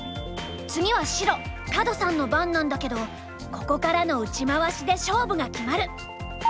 次は白角さんの番なんだけどここからの打ち回しで勝負が決まる！